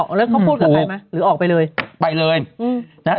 แล้วเขาพูดกับใครไหมหรือออกไปเลยไปเลยอืมนะฮะ